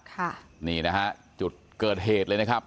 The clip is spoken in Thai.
ค่ะนี่นะฮะจุดเกิดเหตุเลยนะครับ